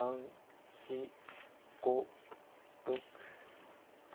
４５６。